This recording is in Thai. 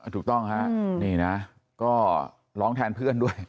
ถูกต้องฮะนี่นะก็ร้องแทนเพื่อนด้วย